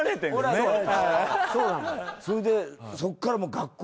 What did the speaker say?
それでそこからもう。